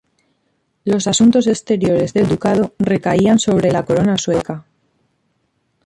Los asuntos exteriores del ducado recaían sobre la corona sueca.